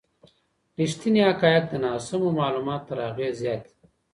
ریښتیني حقایق د ناسمو معلوماتو تر اغېز زیات دي.